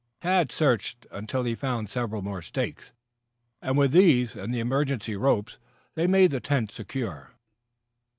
Tad searched until he found several more stakes, and with these and the emergency ropes, they made the tents secure.